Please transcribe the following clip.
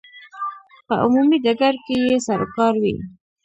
په عمومي ډګر کې یې سروکار وي.